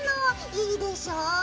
いいでしょ！